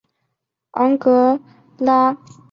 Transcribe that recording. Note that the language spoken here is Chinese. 昂格拉尔圣费利人口变化图示